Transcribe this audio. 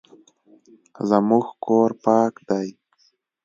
زموږ کور پاک دی